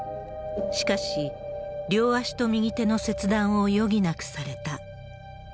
しかし、両足と右手の切断を余儀なくされた。